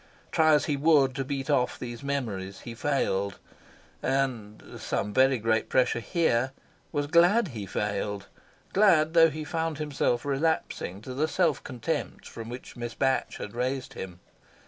Try as he would to beat off these memories, he failed, and some very great pressure here! was glad he failed; glad though he found himself relapsing to the self contempt from which Miss Batch had raised him.